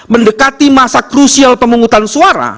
mendekati masa krusial pemungutan suara